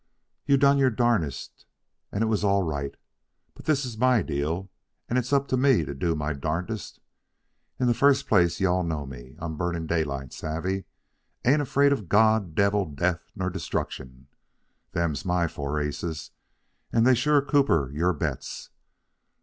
You done your darndest, and it was all right. But this is my deal, and it's up to me to do my darndest. In the first place, you all know me. I'm Burning Daylight savvee? Ain't afraid of God, devil, death, nor destruction. Them's my four aces, and they sure copper your bets.